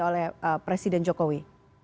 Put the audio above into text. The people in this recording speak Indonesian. oleh presiden jokowi